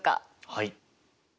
はい。